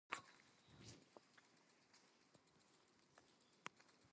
Bart's daughter Libby is Jack and Evelyn's only grandchild.